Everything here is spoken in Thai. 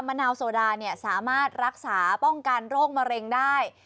นาวโซดาเนี่ยสามารถรักษาป้องกันโรคมะเร็งได้